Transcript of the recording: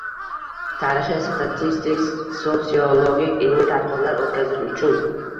Tarixiy, statistik, sotsiologik, ilmiy tadqiqotlar o‘tkazish uchun